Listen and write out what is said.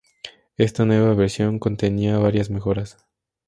Esta nueva versión contenía varias mejoras.